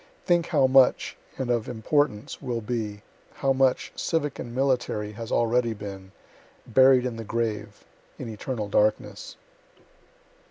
Think how much, and of importance, will be how much, civic and military, has already been buried in the grave, in eternal darkness.